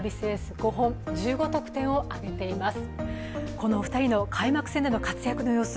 この２人の開幕戦での活躍の様子